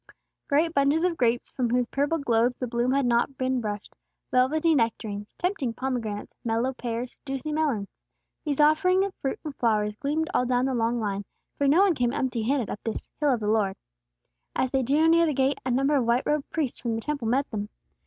Great bunches of grapes from whose purple globes the bloom had not been brushed, velvety nectarines, tempting pomegranates, mellow pears, juicy melons, these offerings of fruit and flowers gleamed all down the long line, for no one came empty handed up this "Hill of the Lord." As they drew near the gates, a number of white robed priests from the Temple met them.